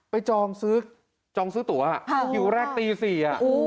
ไปจองซื้อตั๋วอยู่แรกตี๔อ่ะ